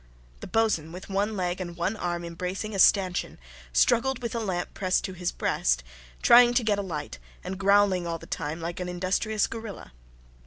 The boatswain, with one leg and one arm embracing a stanchion, struggled with a lamp pressed to his breast, trying to get a light, and growling all the time like an industrious gorilla.